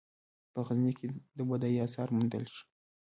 په غزني کې د بودايي اثار موندل شوي